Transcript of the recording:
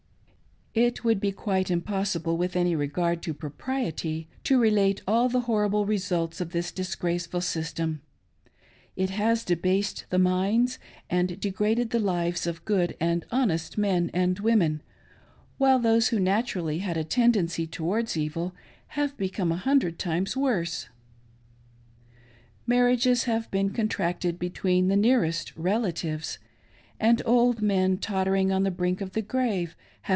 It would be quite impossible, with any regard to proprietyj to relate all the horrible results of this disgraceful system; It has debased the minds, and degraded the lives, of good and honest men and women, while those who naturally had a ten dency towards evil have become a hundred times worse. Mar riages have been contracted between the nearest relatives; and old men tottering on the brink of the grave hgve.